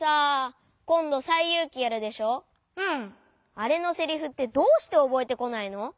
あれのセリフってどうしておぼえてこないの？